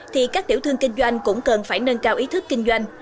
thì các tiểu thương kinh doanh cũng cần phải nâng cao ý thức kinh doanh